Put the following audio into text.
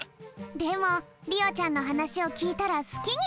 でもりおちゃんのはなしをきいたらすきになるかも？